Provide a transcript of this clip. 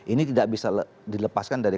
ini tidak bisa dilepaskan dari